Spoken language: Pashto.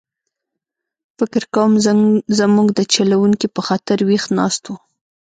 فکر کووم زموږ د چلوونکي په خاطر ویښ ناست و.